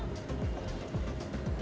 ada apa apa sampah di dalam sampah ini